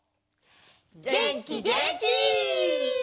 げんきげんき！